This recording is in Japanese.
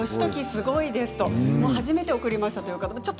すごいですと初めて送りましたという方